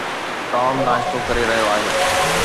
Tom ناشتو ڪري رهيو آهي.